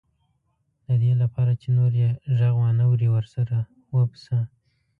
د دې لپاره چې نور یې غږ وانه وري ورسره وپسه.